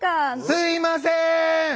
すいません！